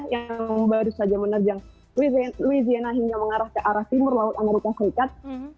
yang baru saja menerjang louisiana hingga mengarah ke arah timur laut amerika serikat